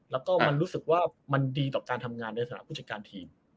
แล้วก็มันรู้สึกว่ามันดีต่อการทำงานในสถานผู้จัดการทีม